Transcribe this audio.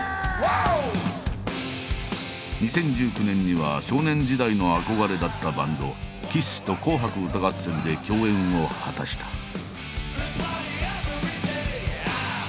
２０１９年には少年時代の憧れだったバンドＫＩＳＳと「紅白歌合戦」で共演を果たした。